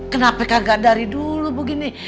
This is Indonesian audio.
kenapa kagak dari dulu begini